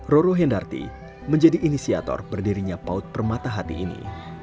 roro hendarti menjadi inisiator berdirinya paut permata hati ini